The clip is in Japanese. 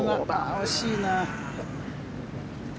惜しいな。